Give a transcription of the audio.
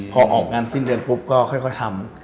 พอออกงานสิ้นเดือนปุ๊บก็ค่อยทำ